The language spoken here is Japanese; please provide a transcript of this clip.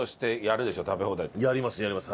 やりますやります